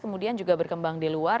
kemudian juga berkembang di luar